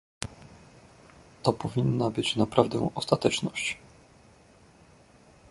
To powinna być naprawdę ostateczność